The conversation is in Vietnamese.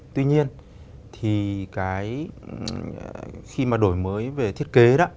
tuy nhiên khi đổi mới về thiết kế